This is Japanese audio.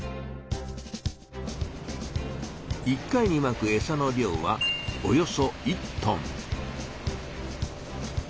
１回にまくエサの量はおよそ１トン。